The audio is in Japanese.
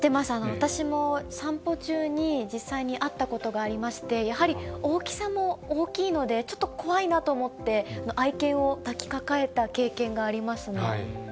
私も散歩中に実際に会ったことがありまして、やはり、大きさも大きいので、ちょっと怖いなと思って、愛犬を抱きかかえた経験がありますね。